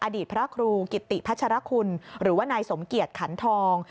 อดีตพระครูกิติพัชรคุณหรือว่านายสมเกียจขันทอง